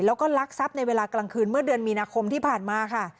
แล้วก็ลักทรัพย์ในเวลากลางคืนเมื่อเดือนมีนาคมที่ผ่านมาค่ะ